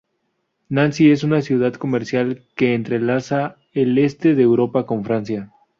Nancy es una ciudad comercial que entrelaza el este de Europa con Francia.